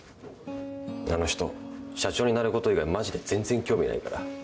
あの人社長になること以外マジで全然興味ないから。